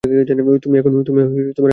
তুমি এখন মূল মঞ্চে!